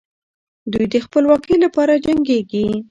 دوی د خپلواکۍ لپاره جنګېږي.